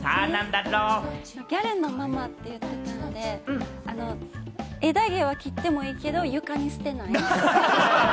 ギャルのママって言ってたんで、枝毛は切ってもいいけれども、床に捨てるな。